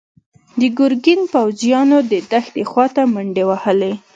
د ګرګين پوځيانو د دښتې خواته منډې وهلي.